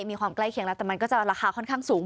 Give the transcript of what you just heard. มีความใกล้เคียงแล้วแต่มันก็จะราคาค่อนข้างสูง